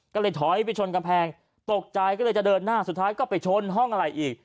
ก็เลยถอยไปชนกำแพงตกใจก็เลยจะเดินหน้าสุดท้ายก็ไปชนห้องอะไรอีก